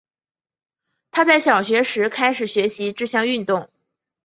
她在小学时开始学习这项运动。